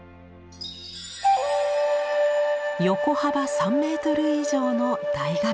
横幅３メートル以上の大画面。